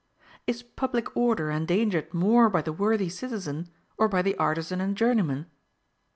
Is public order endangered more by the worthy citizen, or by the artisan and journeyman?